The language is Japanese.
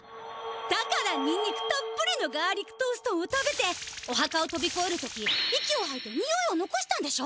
だからニンニクたっぷりのガーリックトーストンを食べておはかをとびこえるとき息をはいてにおいをのこしたんでしょ？